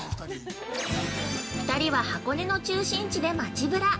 ◆２人は箱根の中心地で街ブラ。